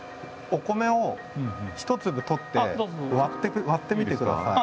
お米を一粒取って割ってみてください。